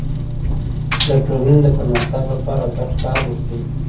د ټولني د پرمختګ لپاره ګډ کار وکړئ.